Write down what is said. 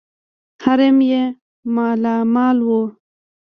حرم یې مالامال وو.